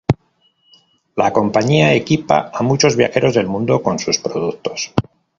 La compañía equipa a muchos viajeros del mundo con sus productos.